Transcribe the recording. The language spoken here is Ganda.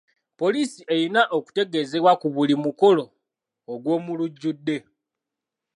Poliisi erina okutegeezebwa ku buli mukolo ogw'omulujjudde.